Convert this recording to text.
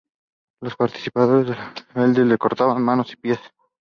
A los partidarios de los rebeldes se les cortaban manos y pies.